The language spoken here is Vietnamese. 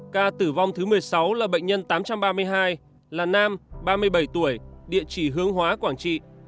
ca tử vong thứ một mươi sáu là bệnh nhân tám trăm ba mươi hai là nam ba mươi bảy tuổi địa chỉ hương hóa quảng trị